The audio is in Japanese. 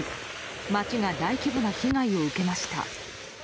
街が大規模な被害を受けました。